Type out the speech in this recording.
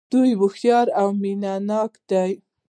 دوی هوښیار او مینه ناک دي.